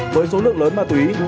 với số lượng lớn ma túy